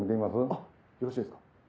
あっよろしいですか？